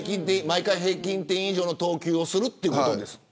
毎回平均点以上の投球をするということです。